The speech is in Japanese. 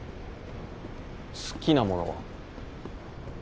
好きなものは？